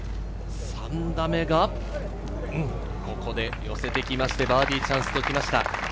３打目が、ここで寄せてきまして、バーディーチャンスときました。